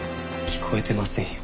聞こえてませんよ。